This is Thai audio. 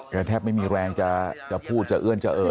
แทบไม่มีแรงจะพูดจะเอื้อนจะเอ่อ